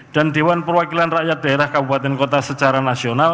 dan dewan perwakilan rakyat daerah kabupaten kota secara nasional